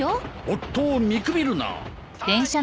夫を見くびるな！